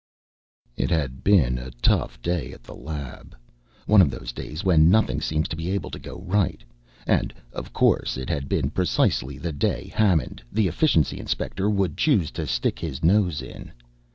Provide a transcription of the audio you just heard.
It had been a tough day at the lab, one of those days when nothing seems able to go right. And, of course, it had been precisely the day Hammond, the Efficiency inspector, would choose to stick his nose in.